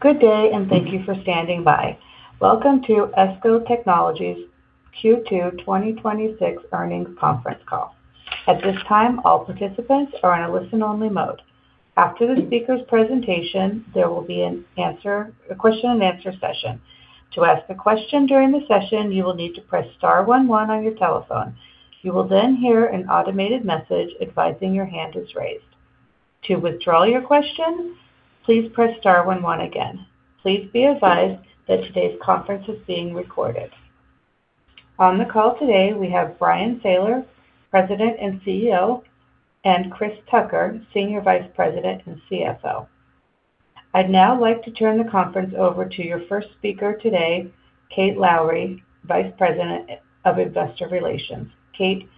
Good day, and thank you for standing by. Welcome to ESCO Technologies Q2 2026 Earnings Conference Call. At this time, all participants are on a listen-only mode. After the speaker's presentation, there will be a question-and-answer session. To ask a question during the session, you will need to press star one one on your telephone. You will then hear an automated message advising your hand is raised. To withdraw your question, please press star one one again. Please be advised that today's conference is being recorded. On the call today, we have Bryan Sayler, President and CEO, and Chris Tucker, Senior Vice President and CFO. I'd now like to turn the conference over to your first speaker today, Kate Lowrey, Vice President of Investor Relations. Kate,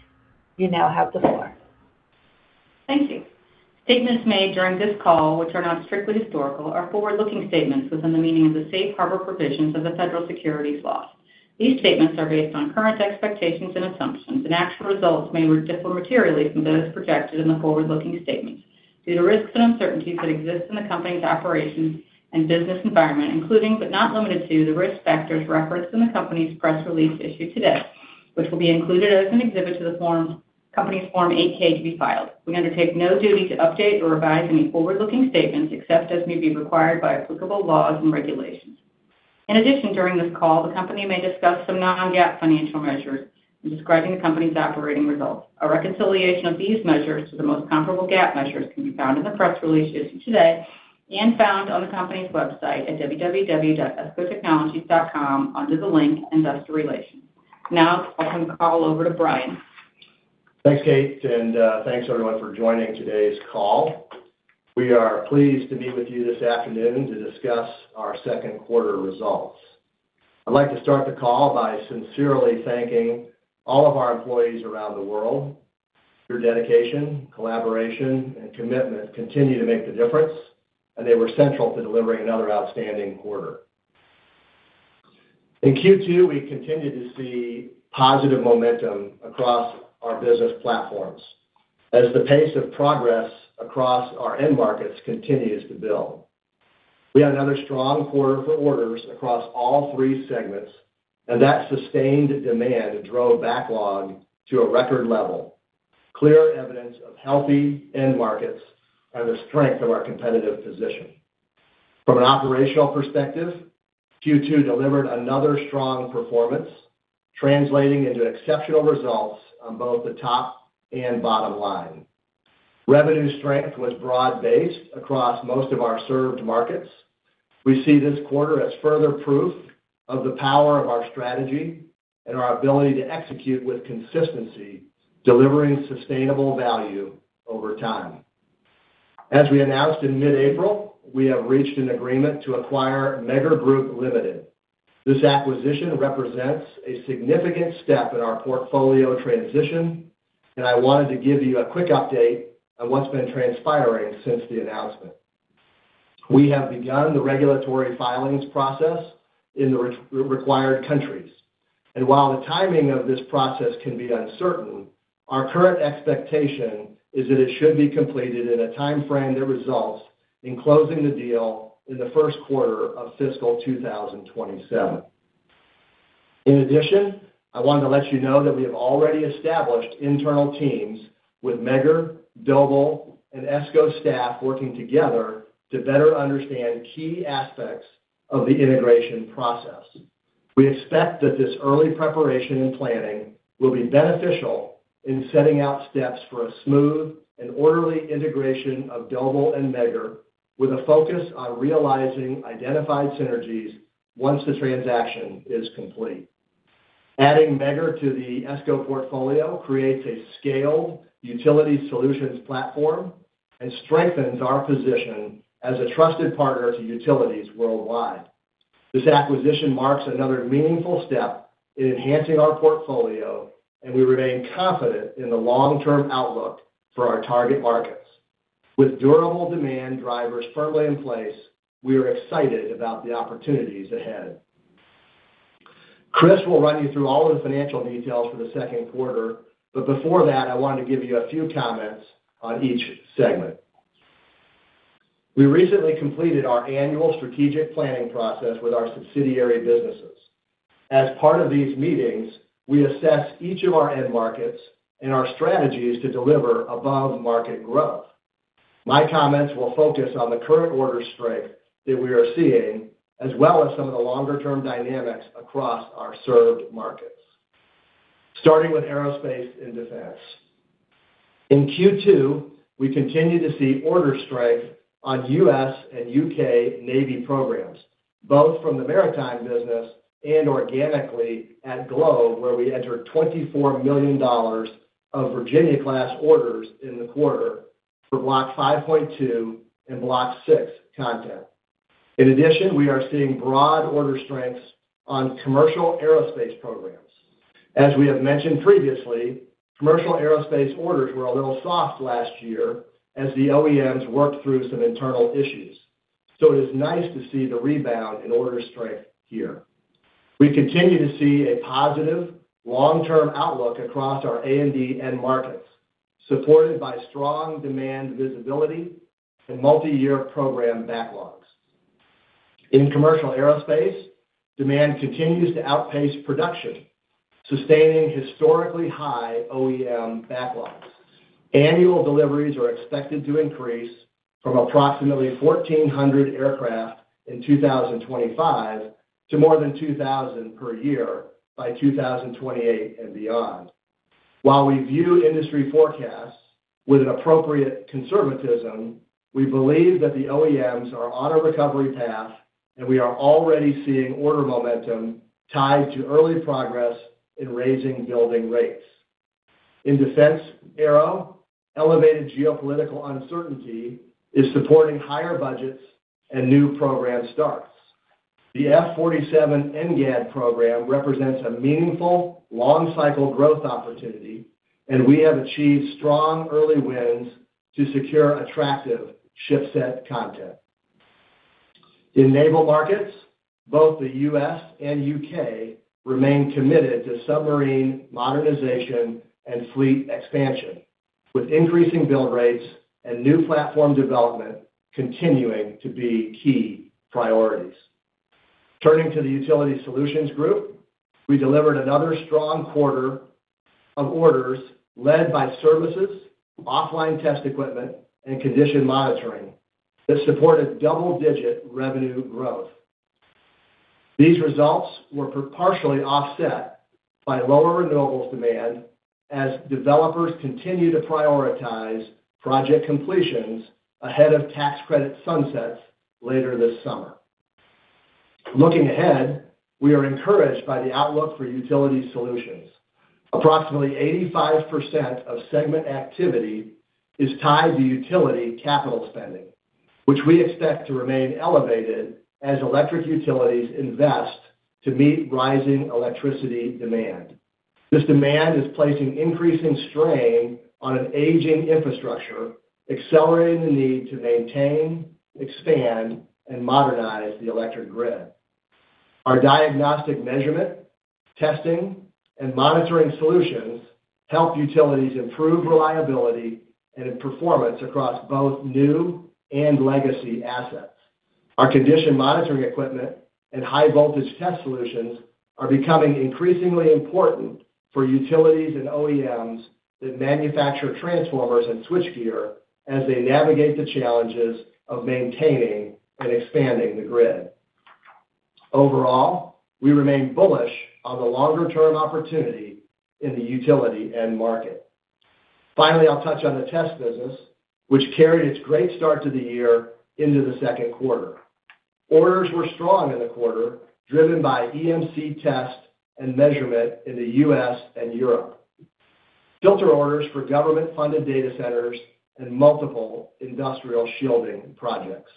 you now have the floor. Thank you. Statements made during this call, which are not strictly historical, are forward-looking statements within the meaning of the safe harbor provisions of the federal securities laws. These statements are based on current expectations and assumptions, and actual results may differ materially from those projected in the forward-looking statements due to risks and uncertainties that exist in the company's operations and business environment, including, but not limited to, the risk factors referenced in the company's press release issued today, which will be included as an exhibit to the company's Form 8-K to be filed. We undertake no duty to update or revise any forward-looking statements except as may be required by applicable laws and regulations. In addition, during this call, the company may discuss some non-GAAP financial measures in describing the company's operating results. A reconciliation of these measures to the most comparable GAAP measures can be found in the press release issued today and found on the company's website at www.escotechnologies.com under the link investor relations. Now I'll turn the call over to Bryan. Thanks, Kate, thanks everyone for joining today's call. We are pleased to be with you this afternoon to discuss our second quarter results. I'd like to start the call by sincerely thanking all of our employees around the world. Your dedication, collaboration, and commitment continue to make the difference, and they were central to delivering another outstanding quarter. In Q2, we continued to see positive momentum across our business platforms as the pace of progress across our end markets continues to build. We had another strong quarter for orders across all three segments, and that sustained demand drove backlog to a record level, clear evidence of healthy end markets and the strength of our competitive position. From an operational perspective, Q2 delivered another strong performance, translating into exceptional results on both the top and bottom line. Revenue strength was broad-based across most of our served markets. We see this quarter as further proof of the power of our strategy and our ability to execute with consistency, delivering sustainable value over time. As we announced in mid-April, we have reached an agreement to acquire Megger Group Limited. This acquisition represents a significant step in our portfolio transition. I wanted to give you a quick update on what's been transpiring since the announcement. We have begun the regulatory filings process in the required countries. While the timing of this process can be uncertain, our current expectation is that it should be completed in a timeframe that results in closing the deal in the first quarter of fiscal 2027. In addition, I wanted to let you know that we have already established internal teams with Megger, Doble, and ESCO staff working together to better understand key aspects of the integration process. We expect that this early preparation and planning will be beneficial in setting out steps for a smooth and orderly integration of Doble and Megger with a focus on realizing identified synergies once the transaction is complete. Adding Megger to the ESCO portfolio creates a scaled utility solutions platform and strengthens our position as a trusted partner to utilities worldwide. This acquisition marks another meaningful step in enhancing our portfolio. We remain confident in the long-term outlook for our target markets. With durable demand drivers firmly in place, we are excited about the opportunities ahead. Chris will run you through all the financial details for the second quarter. Before that, I wanted to give you a few comments on each segment. We recently completed our annual strategic planning process with our subsidiary businesses. As part of these meetings, we assess each of our end markets and our strategies to deliver above-market growth. My comments will focus on the current order strength that we are seeing, as well as some of the longer-term dynamics across our served markets. Starting with Aerospace and Defense. In Q2, we continued to see order strength on U.S. and U.K. Navy programs, both from the maritime business and organically at Globe, where we entered $24 million of Virginia class orders in the quarter for Block V.2 and Block VI content. We are seeing broad order strengths on commercial aerospace programs. As we have mentioned previously, commercial aerospace orders were a little soft last year as the OEMs worked through some internal issues. It is nice to see the rebound in order strength here. We continue to see a positive long-term outlook across our A&D end markets, supported by strong demand visibility and multi-year program backlogs. In commercial aerospace, demand continues to outpace production, sustaining historically high OEM backlogs. Annual deliveries are expected to increase from approximately 1,400 aircraft in 2025 to more than 2,000 per year by 2028 and beyond. While we view industry forecasts with an appropriate conservatism, we believe that the OEMs are on a recovery path, and we are already seeing order momentum tied to early progress in raising building rates. In defense aero, elevated geopolitical uncertainty is supporting higher budgets and new program starts. The F-47 NGAD program represents a meaningful, long-cycle growth opportunity, and we have achieved strong early wins to secure attractive shipset content. In naval markets, both the U.S. and U.K. remain committed to submarine modernization and fleet expansion, with increasing build rates and new platform development continuing to be key priorities. Turning to the Utility Solutions Group, we delivered another strong quarter of orders led by services, offline test equipment, and condition monitoring that supported double-digit revenue growth. These results were partially offset by lower renewables demand as developers continue to prioritize project completions ahead of tax credit sunsets later this summer. Looking ahead, we are encouraged by the outlook for utility solutions. Approximately 85% of segment activity is tied to utility capital spending, which we expect to remain elevated as electric utilities invest to meet rising electricity demand. This demand is placing increasing strain on an aging infrastructure, accelerating the need to maintain, expand, and modernize the electric grid. Our diagnostic measurement, testing, and monitoring solutions help utilities improve reliability and performance across both new and legacy assets. Our condition monitoring equipment and high voltage test solutions are becoming increasingly important for utilities and OEMs that manufacture transformers and switchgear as they navigate the challenges of maintaining and expanding the grid. We remain bullish on the longer-term opportunity in the utility end market. I'll touch on the Test business, which carried its great start to the year into the second quarter. Orders were strong in the quarter, driven by EMC test and measurement in the U.S. and Europe, and filter orders for government-funded data centers and multiple industrial shielding projects.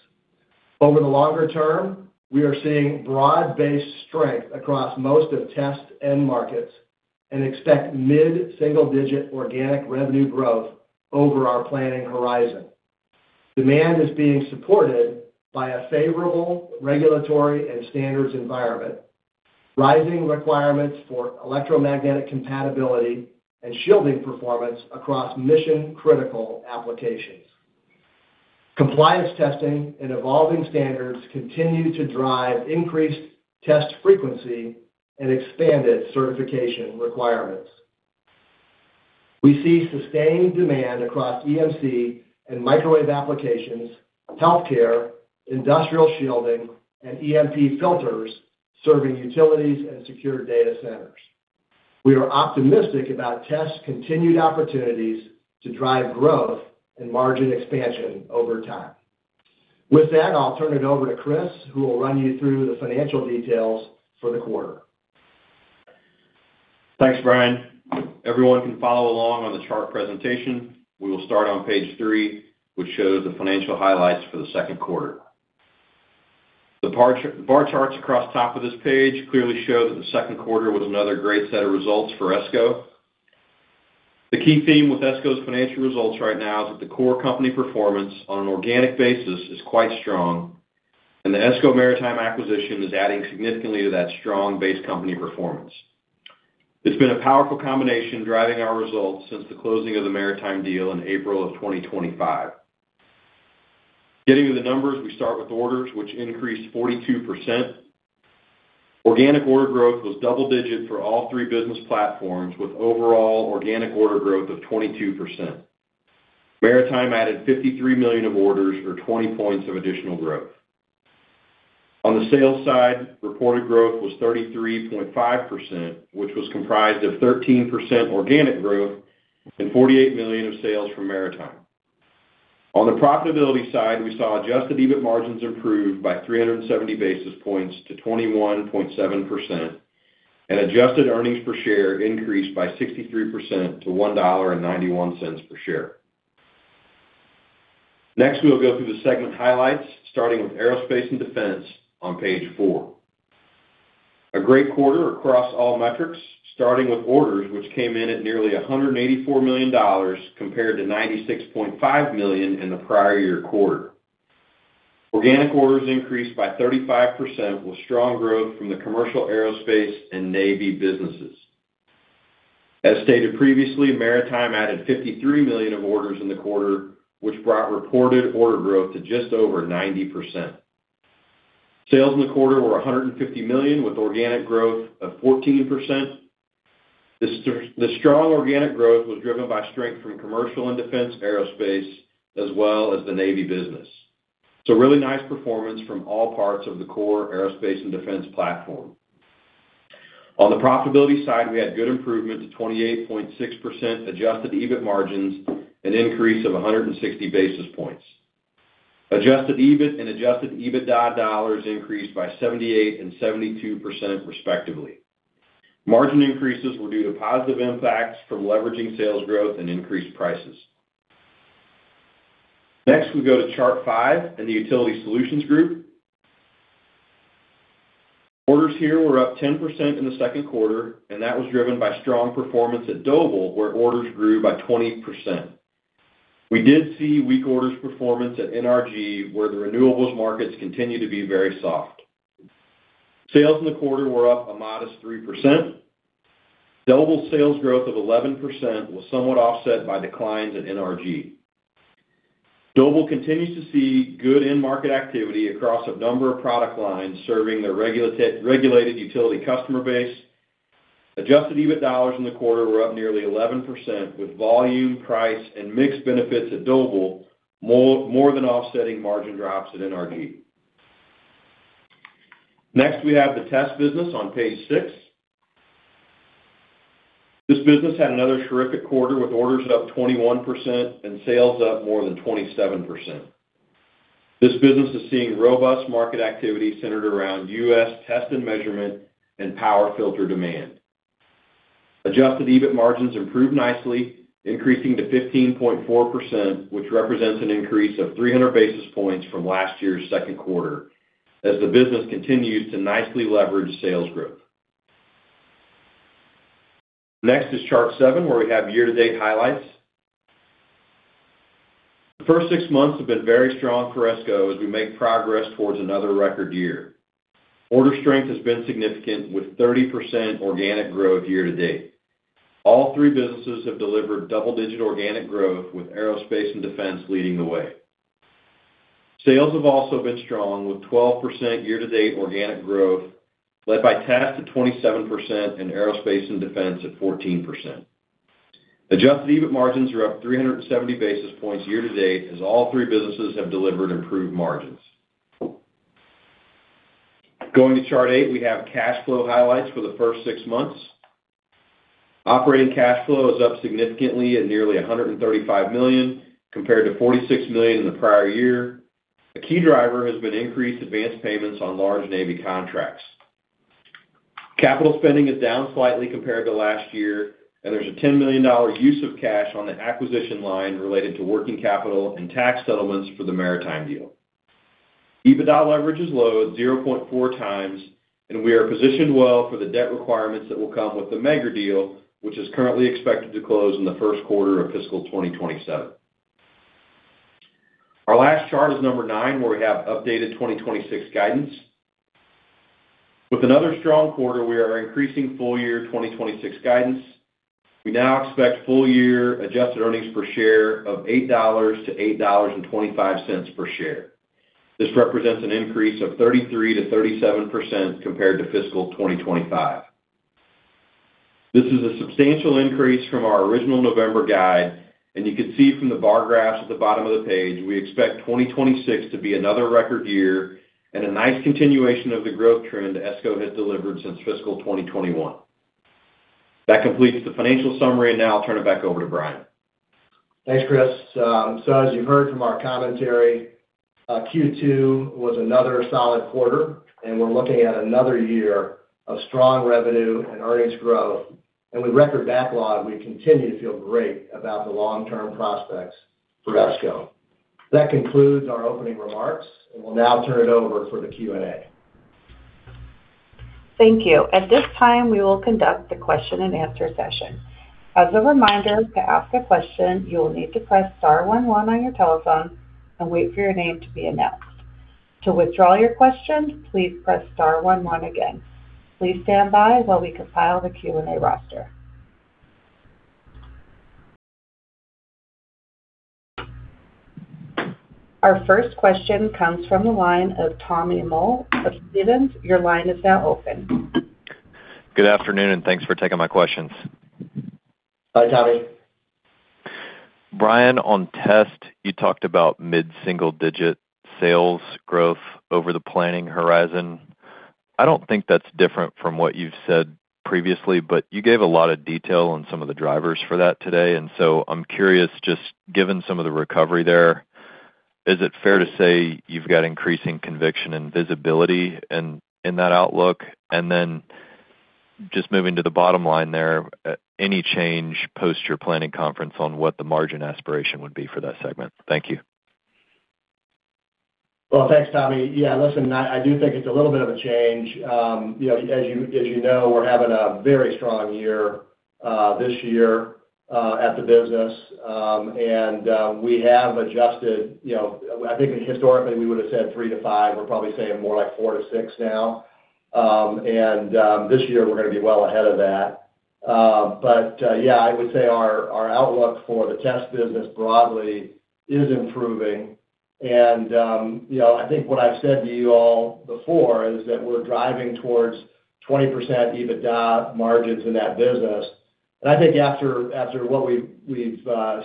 Over the longer term, we are seeing broad-based strength across most of test end markets and expect mid-single-digit organic revenue growth over our planning horizon. Demand is being supported by a favorable regulatory and standards environment, rising requirements for electromagnetic compatibility and shielding performance across mission-critical applications. Compliance testing and evolving standards continue to drive increased test frequency and expanded certification requirements. We see sustained demand across EMC and microwave applications, healthcare, industrial shielding, and EMP filters serving utilities and secure data centers. We are optimistic about the continued opportunities to drive growth and margin expansion over time. With that, I'll turn it over to Chris, who will run you through the financial details for the quarter. Thanks, Bryan. Everyone can follow along on the chart presentation. We will start on page three, which shows the financial highlights for the second quarter. The bar charts across the top of this page clearly show that the second quarter was another great set of results for ESCO. The key theme with ESCO's financial results right now is that the core company performance on an organic basis is quite strong, and the ESCO Maritime acquisition is adding significantly to that strong base company performance. It's been a powerful combination driving our results since the closing of the Maritime deal in April of 2025. Getting to the numbers, we start with orders, which increased 42%. Organic order growth was double-digit for all three business platforms, with overall organic order growth of 22%. Maritime added $53 million of orders or 20 points of additional growth. On the sales side, reported growth was 33.5%, which was comprised of 13% organic growth and $48 million of sales from Maritime. On the profitability side, we saw adjusted EBIT margins improve by 370 basis points to 21.7% and adjusted earnings per share increased by 63% to $1.91 per share. Next, we'll go through the segment highlights, starting with Aerospace and Defense on page four. A great quarter across all metrics, starting with orders which came in at nearly $184 million compared to $96.5 million in the prior year quarter. Organic orders increased by 35% with strong growth from the commercial aerospace and Navy businesses. As stated previously, Maritime added $53 million of orders in the quarter, which brought reported order growth to just over 90%. Sales in the quarter were $150 million, with organic growth of 14%. The strong organic growth was driven by strength from commercial and defense aerospace as well as the Navy business. It's a really nice performance from all parts of the core Aerospace and Defense platform. On the profitability side, we had good improvement to 28.6% adjusted EBIT margins, an increase of 160 basis points. Adjusted EBIT and adjusted EBITDA dollars increased by 78% and 72% respectively. Margin increases were due to positive impacts from leveraging sales growth and increased prices. Next, we go to chart five in the Utility Solutions Group. Orders here were up 10% in the second quarter, and that was driven by strong performance at Doble, where orders grew by 20%. We did see weak orders performance at NRG, where the renewables markets continue to be very soft. Sales in the quarter were up a modest 3%. Doble sales growth of 11% was somewhat offset by declines at NRG. Doble continues to see good end market activity across a number of product lines serving their regulated utility customer base. Adjusted EBIT dollars in the quarter were up nearly 11%, with volume, price, and mix benefits at Doble more than offsetting margin drops at NRG. Next, we have the Test business on page six. This business had another terrific quarter, with orders up 21% and sales up more than 27%. This business is seeing robust market activity centered around U.S. test and measurement and power filter demand. Adjusted EBIT margins improved nicely, increasing to 15.4%, which represents an increase of 300 basis points from last year's second quarter as the business continues to nicely leverage sales growth. Next is chart seven, where we have year-to-date highlights. The first six months have been very strong for ESCO as we make progress towards another record year. Order strength has been significant, with 30% organic growth year to date. All three businesses have delivered double-digit organic growth, with Aerospace and Defense leading the way. Sales have also been strong, with 12% year-to-date organic growth, led by Test at 27% and Aerospace and Defense at 14%. Adjusted EBIT margins are up 370 basis points year to date as all three businesses have delivered improved margins. Going to chart eight, we have cash flow highlights for the first six months. Operating cash flow is up significantly at nearly $135 million, compared to $46 million in the prior year. A key driver has been increased advanced payments on large Navy contracts. Capital spending is down slightly compared to last year, and there's a $10 million use of cash on the acquisition line related to working capital and tax settlements for the Maritime deal. EBITDA leverage is low at 0.4 times, and we are positioned well for the debt requirements that will come with the Megger deal, which is currently expected to close in the first quarter of fiscal 2027. Our last chart is number nine, where we have updated 2026 guidance. With another strong quarter, we are increasing full year 2026 guidance. We now expect full year adjusted earnings per share of $8-$8.25 per share. This represents an increase of 33%-37% compared to fiscal 2025. This is a substantial increase from our original November guide, and you can see from the bar graphs at the bottom of the page, we expect 2026 to be another record year and a nice continuation of the growth trend ESCO has delivered since fiscal 2021. That completes the financial summary, and now I'll turn it back over to Bryan. Thanks, Chris. As you heard from our commentary, Q2 was another solid quarter, and we're looking at another year of strong revenue and earnings growth. With record backlog, we continue to feel great about the long-term prospects for ESCO. That concludes our opening remarks, and we'll now turn it over for the Q&A. Thank you. At this time, we will conduct the question-and-answer session. As a reminder, to ask a question, you will need to press star one one on your telephone and wait for your name to be announced. To withdraw your question, please press star one one again. Please stand by while we compile the Q&A roster. Our first question comes from the line of Tommy Moll of Stephens. Your line is now open. Good afternoon, and thanks for taking my questions. Hi, Tommy. Bryan, on Test, you talked about mid-single digit sales growth over the planning horizon. I don't think that's different from what you've said previously, but you gave a lot of detail on some of the drivers for that today. I'm curious, just given some of the recovery there, is it fair to say you've got increasing conviction and visibility in that outlook? Just moving to the bottom line there, any change post your planning conference on what the margin aspiration would be for that segment? Thank you. Well, thanks, Tommy. Yeah, listen, I do think it's a little bit of a change. You know, as you know, we're having a very strong year this year at the business. We have adjusted, you know I think historically we would've said 3-5, we're probably saying more like 4-6 now. This year we're gonna be well ahead of that. Yeah, I would say our outlook for the Test business broadly is improving. You know, I think what I've said to you all before is that we're driving towards 20% EBITDA margins in that business. I think after what we've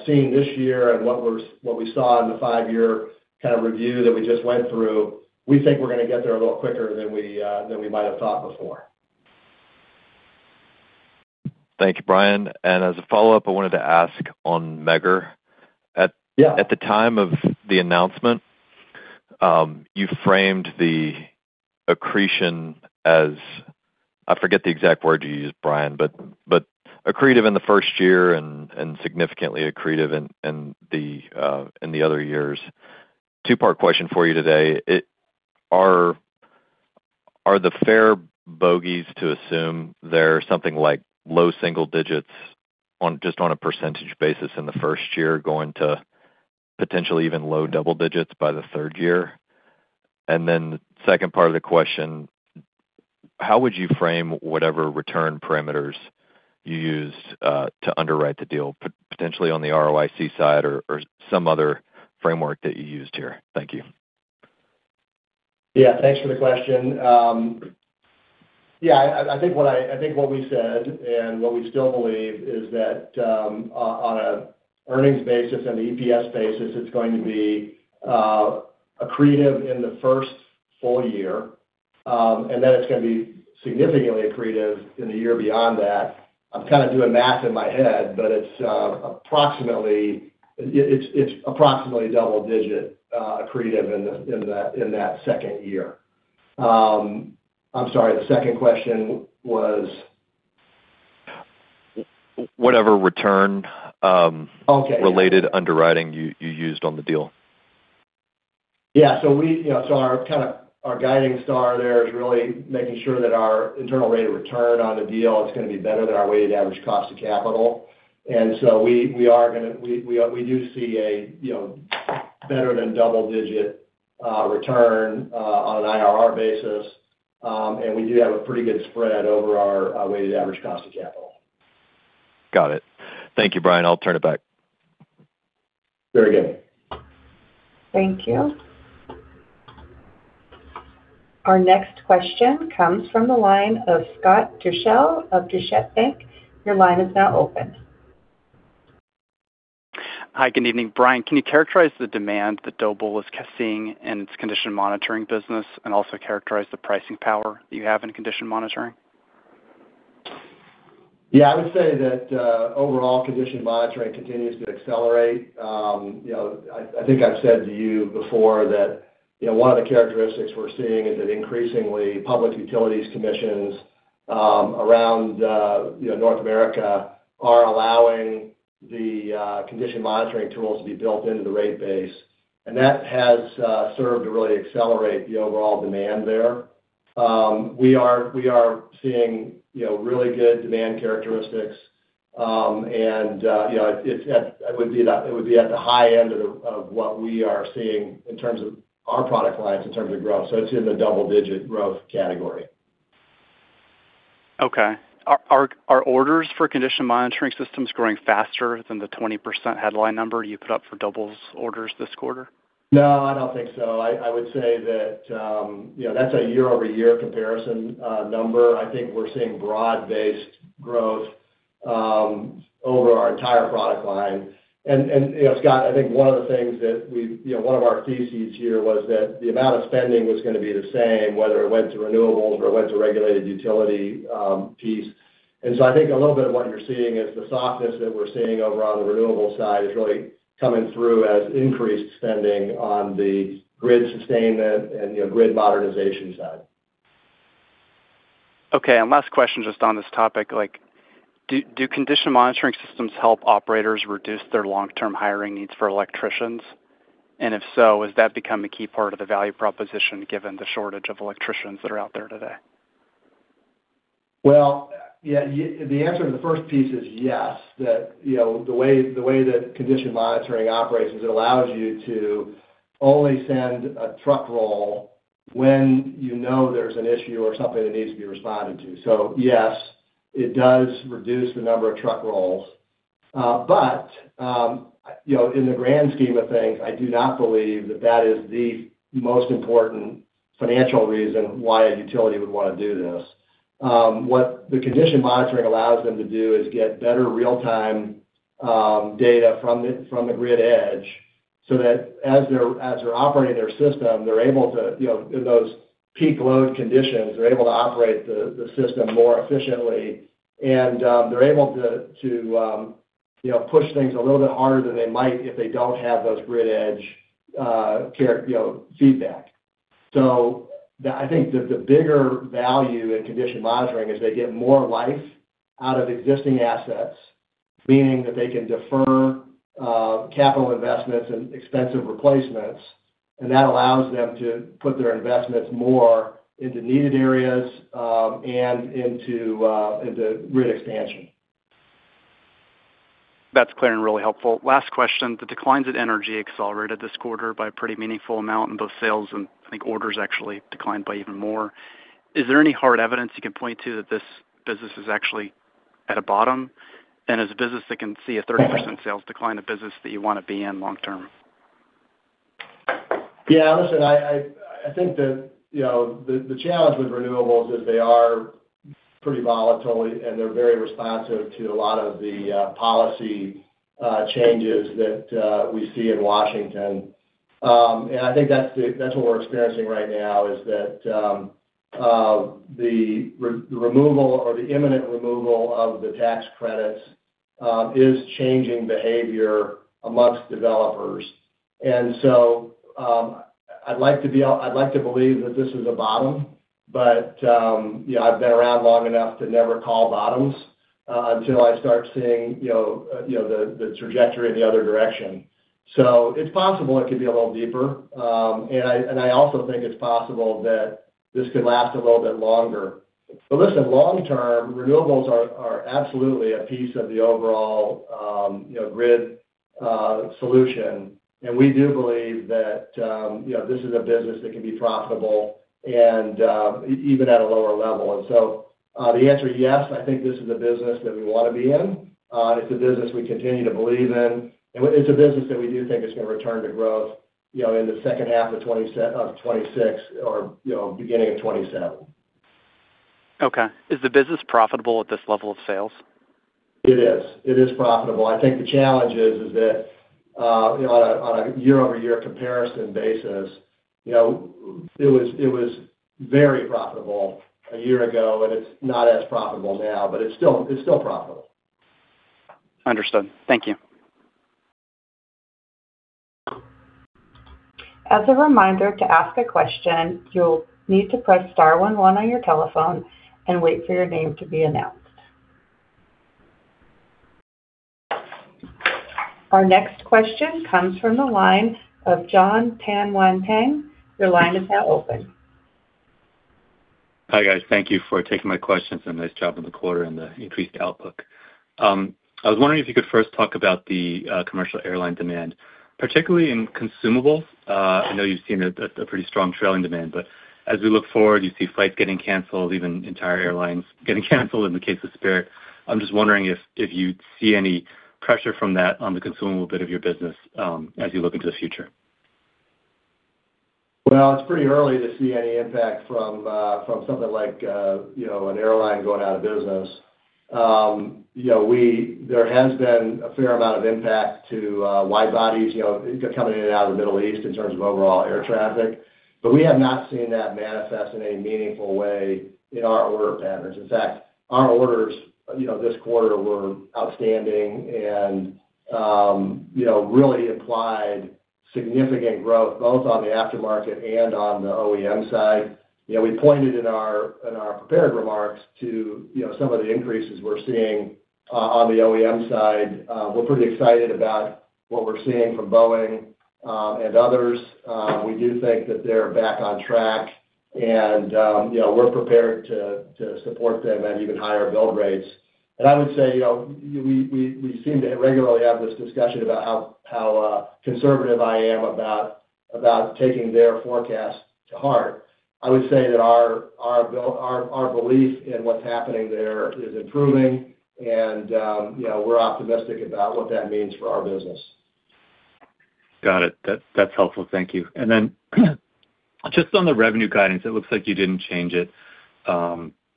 seen this year and what we saw in the five-year kind of review that we just went through, we think we're gonna get there a lot quicker than we than we might have thought before. Thank you, Bryan. As a follow-up, I wanted to ask on Megger. Yeah. At the time of the announcement, you framed the accretion as I forget the exact word you used, Bryan, but accretive in the first year and significantly accretive in the other years. Two-part question for you today. Are the fair bogeys to assume they're something like low single digits on, just on a percentage basis in the first year, going to potentially even low double digits by the third year? Then second part of the question, how would you frame whatever return parameters you use to underwrite the deal, potentially on the ROIC side or some other framework that you used here? Thank you. Thanks for the question. I think what we said, and what we still believe is that, on a earnings basis and EPS basis, it's going to be accretive in the first full year. Then it's gonna be significantly accretive in the year beyond that. I'm kind of doing math in my head, but it's approximately double digit accretive in that second year. I'm sorry, the second question was? Whatever return. Okay, yeah. Related underwriting you used on the deal. We, you know, so our kind of, our guiding star there is really making sure that our internal rate of return on the deal is gonna be better than our weighted average cost of capital. We do see a, you know, better than double-digit return on IRR basis. We do have a pretty good spread over our weighted average cost of capital. Got it. Thank you, Bryan. I'll turn it back. Very good. Thank you. Our next question comes from the line of Scott Deuschle of Deutsche Bank. Your line is now open. Hi, good evening. Bryan, can you characterize the demand that Doble is seeing in its condition monitoring business, and also characterize the pricing power that you have in condition monitoring? Yeah, I would say that overall condition monitoring continues to accelerate. You know, I think I've said to you before that, you know, one of the characteristics we're seeing is that increasingly public utilities commissions around, you know, North America are allowing the condition monitoring tools to be built into the rate base. That has served to really accelerate the overall demand there. We are seeing, you know, really good demand characteristics. You know, it would be at the high end of what we are seeing in terms of our product lines in terms of growth. It's in the double-digit growth category. Okay. Are orders for condition monitoring systems growing faster than the 20% headline number you put up for Doble's orders this quarter? No, I don't think so. I would say that, you know, that's a year-over-year comparison number. I think we're seeing broad-based growth over our entire product line. You know, Scott, I think one of the things, you know, one of our theses here was that the amount of spending was gonna be the same, whether it went to renewables or it went to regulated utility piece. I think a little bit of what you're seeing is the softness that we're seeing over on the renewable side is really coming through as increased spending on the grid sustainment and, you know, grid modernization side. Okay. Last question just on this topic, like, do condition monitoring systems help operators reduce their long-term hiring needs for electricians? If so, has that become a key part of the value proposition given the shortage of electricians that are out there today? The answer to the first piece is yes. That, the way that condition monitoring operates is it allows you to only send a truck roll when you know there's an issue or something that needs to be responded to. Yes, it does reduce the number of truck rolls. In the grand scheme of things, I do not believe that that is the most important financial reason why a utility would wanna do this. What the condition monitoring allows them to do is get better real time data from the grid edge, so that as they're operating their system, they're able to in those peak load conditions, they're able to operate the system more efficiently. They're able to, you know, push things a little bit harder than they might if they don't have those grid edge, you know, feedback. I think the bigger value in condition monitoring is they get more life out of existing assets. Meaning that they can defer capital investments and expensive replacements, and that allows them to put their investments more into needed areas and into grid expansion. That's clear and really helpful. Last question. The declines in NRG accelerated this quarter by a pretty meaningful amount in both sales and, I think, orders actually declined by even more. Is there any hard evidence you can point to that this business is actually at a bottom? Is a business that can see a 30% sales decline a business that you want to be in long term? Listen, I think that, you know, the challenge with renewables is they are pretty volatile and they're very responsive to a lot of the policy changes that we see in Washington. I think that's what we're experiencing right now, is that the removal or the imminent removal of the tax credits is changing behavior amongst developers. I'd like to believe that this is a bottom. You know, I've been around long enough to never call bottoms until I start seeing, you know, the trajectory in the other direction. It's possible it could be a little deeper. I also think it's possible that this could last a little bit longer. Listen, long term, renewables are absolutely a piece of the overall, you know, grid solution. We do believe that, you know, this is a business that can be profitable and even at a lower level. The answer is yes, I think this is a business that we wanna be in. It's a business we continue to believe in, and it's a business that we do think is gonna return to growth, you know, in the second half of 2026 or, you know, beginning of 2027. Okay. Is the business profitable at this level of sales? It is. It is profitable. I think the challenge is that, you know, on a year-over-year comparison basis, you know, it was very profitable a year ago, and it's not as profitable now, but it's still profitable. Understood. Thank you. As a reminder, to ask a question, you'll need to press star one one on your telephone and wait for your name to be announced. Our next question comes from the line of Jon Tanwanteng. Your line is now open. Hi, guys. Thank you for taking my questions and nice job on the quarter and the increased outlook. I was wondering if you could first talk about the commercial airline demand, particularly in consumables. I know you've seen a pretty strong trailing demand, but as we look forward, you see flights getting canceled, even entire airlines getting canceled in the case of Spirit. I'm just wondering if you see any pressure from that on the consumable bit of your business as you look into the future. It's pretty early to see any impact from something like, you know, an airline going out of business. You know, there has been a fair amount of impact to, widebodies, you know, coming in and out of the Middle East in terms of overall air traffic. We have not seen that manifest in any meaningful way in our order patterns. In fact, our orders, you know, this quarter were outstanding and, you know, really implied significant growth both on the aftermarket and on the OEM side. You know, we pointed in our, in our prepared remarks to, you know, some of the increases we're seeing on the OEM side. We're pretty excited about what we're seeing from Boeing, and others. We do think that they're back on track and, you know, we're prepared to support them at even higher build rates. I would say, you know, we seem to regularly have this discussion about how conservative I am about taking their forecast to heart. I would say that our belief in what's happening there is improving and, you know, we're optimistic about what that means for our business. Got it. That's helpful. Thank you. Then just on the revenue guidance, it looks like you didn't change it.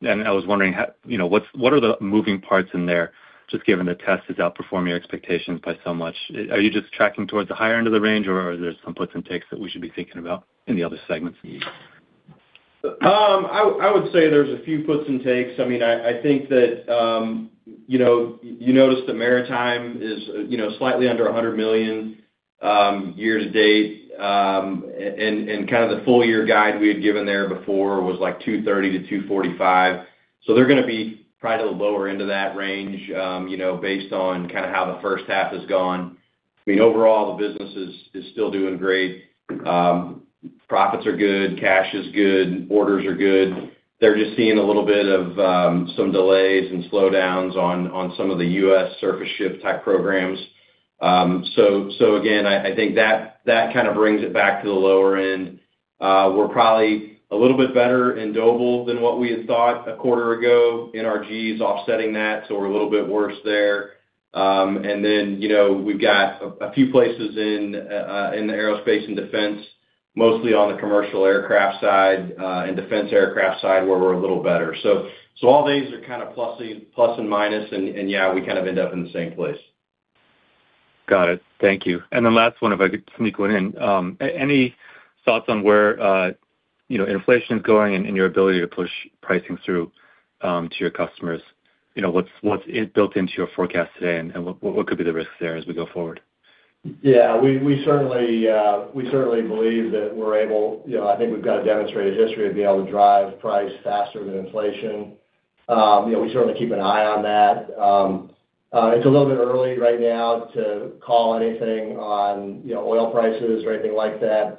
I was wondering, you know, what are the moving parts in there, just given the Test has outperformed your expectations by so much. Are you just tracking towards the higher end of the range, or are there some puts and takes that we should be thinking about in the other segments? I would say there's a few puts and takes. I mean, I think that, you know, you noticed that Maritime is slightly under $100 million year to date. And kind of the full year guide we had given there before was like $230 million-$245 million. They're gonna be probably the lower end of that range, you know, based on kinda how the first half has gone. I mean, overall, the business is still doing great. Profits are good, cash is good, orders are good. They're just seeing a little bit of some delays and slowdowns on some of the U.S. surface ship type programs. Again, I think that kind of brings it back to the lower end. We're probably a little bit better in Doble than what we had thought a quarter ago. NRG is offsetting that, we're a little bit worse there. You know, we've got a few places in the Aerospace and Defense, mostly on the commercial aircraft side, and defense aircraft side where we're a little better. All these are kinda plussing, plus and minus, and yeah, we kind of end up in the same place. Got it. Thank you. Last one, if I could sneak one in. Any thoughts on where, you know, inflation is going and your ability to push pricing through, to your customers? You know, what's built into your forecast today, what could be the risks there as we go forward? Yeah. We certainly believe that we're able, you know, I think we've got a demonstrated history of being able to drive price faster than inflation. You know, we certainly keep an eye on that. It's a little bit early right now to call anything on, you know, oil prices or anything like that.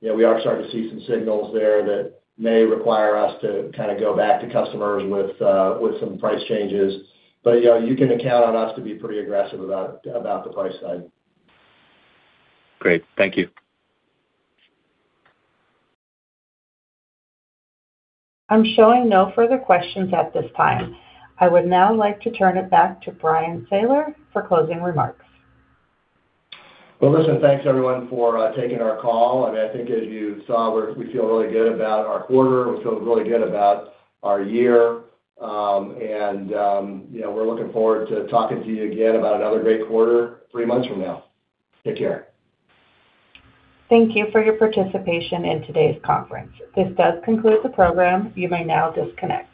You know, we are starting to see some signals there that may require us to kinda go back to customers with some price changes. You know, you can count on us to be pretty aggressive about the price side. Great. Thank you. I'm showing no further questions at this time. I would now like to turn it back to Bryan Sayler for closing remarks. Well, listen, thanks everyone for taking our call. I mean, I think as you saw, we feel really good about our quarter. We feel really good about our year. You know, we're looking forward to talking to you again about another great quarter three months from now. Take care. Thank you for your participation in today's conference. This does conclude the program. You may now disconnect.